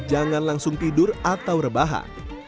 jangan langsung tidur atau rebahan